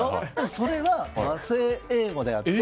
それは、和製英語であって。